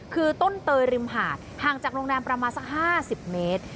คือต้นเตยริมหาดห่างจากโรงแรมประมาณสัก๕๐เมตร